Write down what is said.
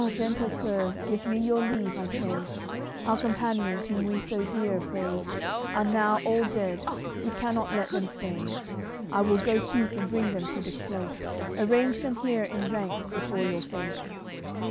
Gentle sir, give me your leave, I say; Our companions, whom we so dear appraised, Are now all dead; we cannot let them stay; I will go seek and bring them to this place, Arrange them here in ranks, before your face."